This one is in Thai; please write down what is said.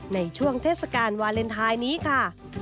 ในช่วงเทศกาลวาเลนไทยนี้ค่ะ